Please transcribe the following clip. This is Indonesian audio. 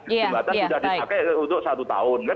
jembatan sudah dipakai untuk satu tahun kan gitu kan